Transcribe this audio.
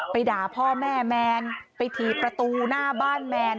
ด่าพ่อแม่แมนไปถีบประตูหน้าบ้านแมน